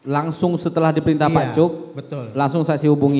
langsung setelah diperintah pak cuk langsung saksi hubungi